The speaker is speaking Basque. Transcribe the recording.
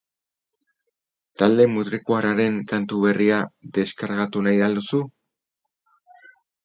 Talde mutrikuarraren kantu berria deskargatu nahi al duzu?